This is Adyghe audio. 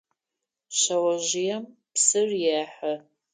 Шъэожъыем псыр ехьы.